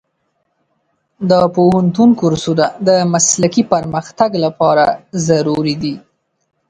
د پوهنتون کورسونه د مسلکي پرمختګ لپاره ضروري دي.